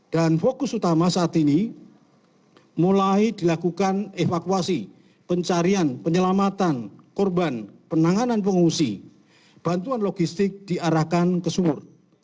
dan fokus utama saat ini mulai dilakukan evakuasi pencarian penyelamatan korban penanganan pengungsi bantuan logistik diarahkan ke sumur